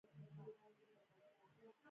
حیوانات له یو بل سره خبرې کوي